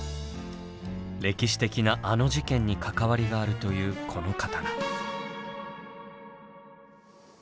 歴史的なあの事件に関わりがあるというこの刀。